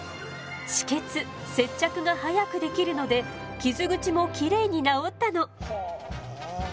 止血接着が早くできるので傷口もきれいに治ったの。